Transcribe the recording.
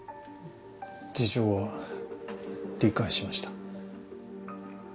事情は理解しました。